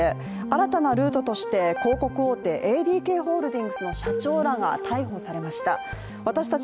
新たなルートとして、広告大手ＡＤＫホールディングスの社長らが逮捕されました。